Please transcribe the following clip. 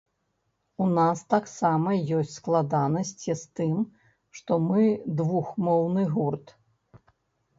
У нас таксама ёсць складанасці з тым, што мы двухмоўны гурт.